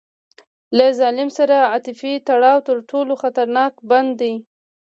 له ظالم سره عاطفي تړاو تر ټولو خطرناک بند دی.